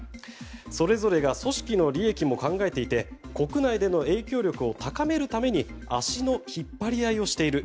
それぞれが組織の利益も考えていて国内での影響力を高めるために足の引っ張り合いをしている。